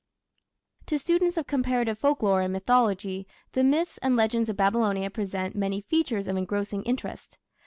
To students of comparative folklore and mythology the myths and legends of Babylonia present many features of engrossing interest.